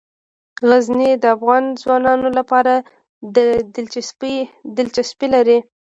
غزني د افغان ځوانانو لپاره دلچسپي لري.